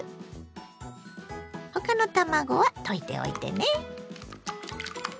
他の卵は溶いておいてね。